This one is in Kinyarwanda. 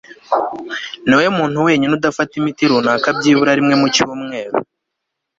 Niwowe muntu wenyine udafata imiti runaka byibura rimwe mu cyumweru